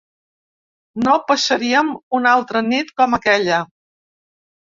No passaríem una altra nit com aquella.